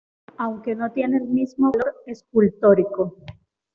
Aunque no tiene el mismo valor escultórico.